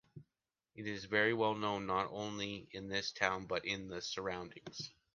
It is very well known, not only in this town but in the surroundings.